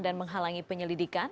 dan menghalangi penyelidikan